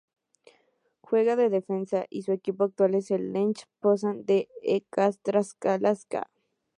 Juega de defensa y su equipo actual es el Lech Poznań de la Ekstraklasa.